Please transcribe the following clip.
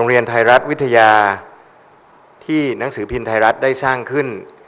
เรียนไทยรัฐวิทยาที่หนังสือพิมพ์ไทยรัฐได้สร้างขึ้น